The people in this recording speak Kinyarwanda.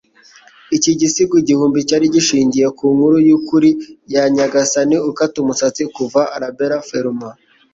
Iki gisigo igihumbi cyari gishingiye ku nkuru yukuri ya nyagasani ukata umusatsi kuva Arabella Fermor